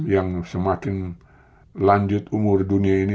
yang semakin lanjut umur dunia ini